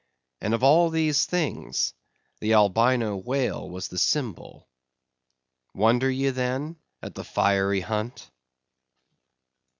And of all these things the Albino whale was the symbol. Wonder ye then at the fiery hunt?